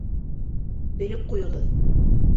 Белеп ҡуйығыҙ!